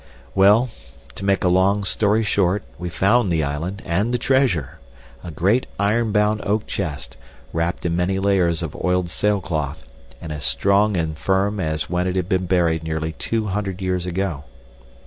Well, to make a long story short, we found the island and the treasure—a great iron bound oak chest, wrapped in many layers of oiled sailcloth, and as strong and firm as when it had been buried nearly two hundred years ago.